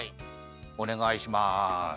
おねがいします。